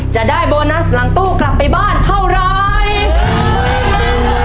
จะได้โบนัสหลังตู้กลับไปบ้านเท่าไร